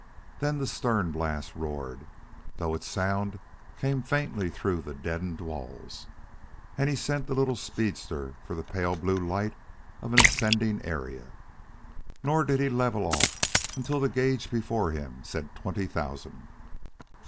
Then the stern blast roared, though its sound came faintly through the deadened walls, and he sent the little speedster for the pale blue light of an ascending area. Nor did he level off until the gauge before him said twenty thousand.